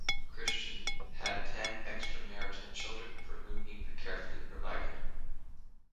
Christian had ten extramarital children, for whom he carefully provided.